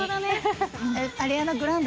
アリアナ・グランデ